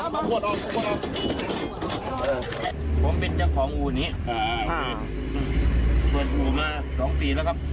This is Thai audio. ผมเป็นเจ้าของอู่นี้เปิดอู่มา๒ปีแล้วครับ